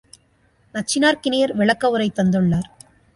நச்சினார்க்கினியர் விளக்கவுரை தந்துள்ளார்.